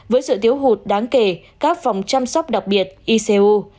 với sự tiếu hụt đáng kể các phòng chăm sóc đặc biệt icu